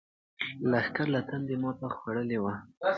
لښکر له تندې ماتې خوړلې وه.